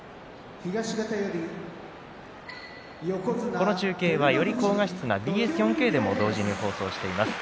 この放送は、より高画質なＢＳ４Ｋでも放送しています。